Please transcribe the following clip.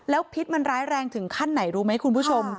พิษมันร้ายแรงถึงขั้นไหนรู้ไหมคุณผู้ชม